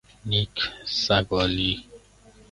نیک سگالی